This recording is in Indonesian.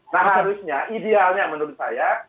nah harusnya idealnya menurut saya